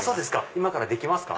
今からできますか？